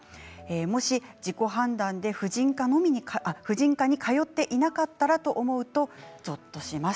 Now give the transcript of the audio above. もし自己判断で婦人科に通っていなかったらと思うとぞっとします。